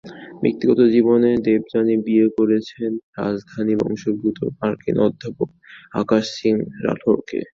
ব্যক্তিগত জীবনে দেবযানী বিয়ে করেছেন ভারতীয় বংশোদ্ভূত মার্কিন অধ্যাপক আকাশ সিং রাঠোরকে।